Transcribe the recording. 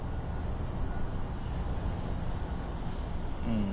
うん。